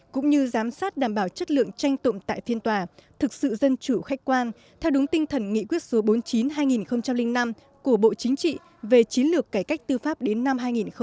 cũng như giám sát đảm bảo chất lượng tranh tụng tại phiên tòa thực sự dân chủ khách quan theo đúng tinh thần nghị quyết số bốn mươi chín hai nghìn năm của bộ chính trị về chiến lược cải cách tư pháp đến năm hai nghìn hai mươi